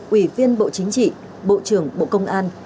ủy viên bộ chính trị bộ trưởng bộ công an